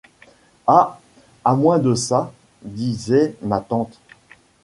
Ah! à moins de ça, disait ma tante.